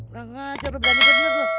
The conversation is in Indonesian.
udah ngajak lu berani tidur dulu